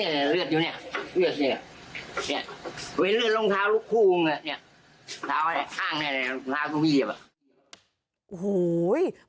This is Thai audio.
ข้างเนี่ยลูกค้าก็ไม่เหยียบ